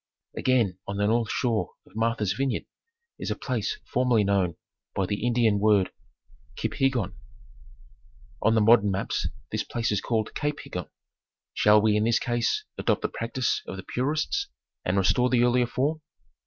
Again on the north shore of Martha's Vineyard is a place for merly known by the Indian word Kiphiggon. On the modern maps this place is called Cape Higgon. Shall we in this case adopt the practice of the purists and restore the earlier form?